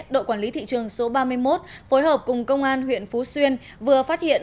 đội quản lý thị trường số ba mươi một phối hợp cùng công an huyện phú xuyên vừa phát hiện